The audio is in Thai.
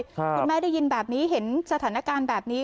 คุณแม่ได้ยินแบบนี้เห็นสถานการณ์แบบนี้